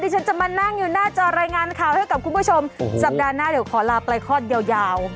ฉันจะมานั่งอยู่หน้าจอรายงานข่าวให้กับคุณผู้ชมสัปดาห์หน้าเดี๋ยวขอลาปลายคลอดยาวยาว